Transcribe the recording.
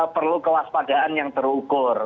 perlu kewaspadaan yang terukur